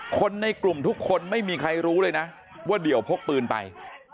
คนในกลุ่มทุกคนไม่มีใครรู้เลยนะว่าเดี่ยวพกปืนไป